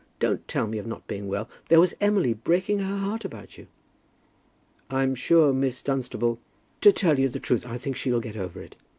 Don't tell me of not being well. There was Emily breaking her heart about you." "I'm sure Miss Dunstable " "To tell you the truth, I think she'll get over it.